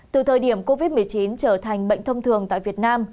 từ thời điểm covid một mươi chín trở thành bệnh thông thường tại việt nam